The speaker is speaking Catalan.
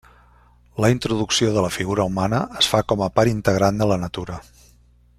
La introducció de la figura humana es fa com a part integrant de la natura.